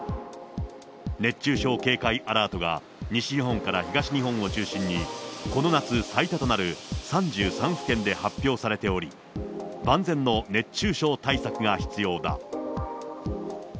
熱中症警戒アラートが西日本から東日本を中心にこの夏最多となる３３府県で発表されており、万全の熱中症対策が必要だ。